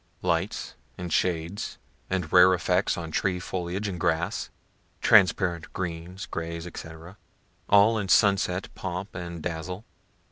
_ Lights and shades and rare effects on tree foliage and grass transparent greens, grays, &c., all in sunset pomp and dazzle.